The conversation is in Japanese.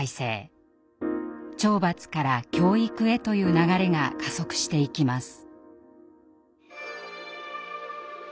懲罰から教育へという流れが加速していきます。